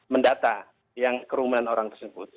mendata yang kerumunan orang tersebut